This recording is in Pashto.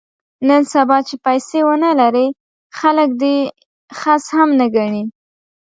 نن سبا چې پیسې ونه لرې خلک دې خس هم نه ګڼي.